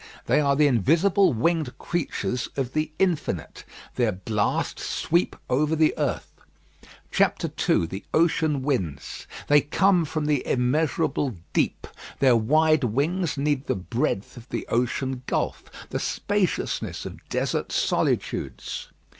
They are the invisible winged creatures of the Infinite. Their blasts sweep over the earth. II THE OCEAN WINDS They come from the immeasurable deep. Their wide wings need the breadth of the ocean gulf; the spaciousness of desert solitudes.